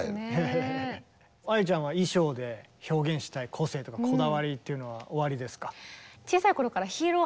愛理ちゃんは衣装で表現したい個性とかこだわりっていうのはおありですか？